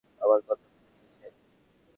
আমার কথা বুঝা গেছে?